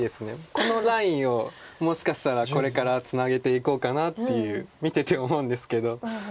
このラインをもしかしたらこれからつなげていこうかなっていう見てて思うんですけど。